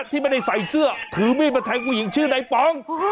ที่ไม่ได้ใส่เสื้อถือมีดมาแทงผู้หญิงชื่อนายป๋อง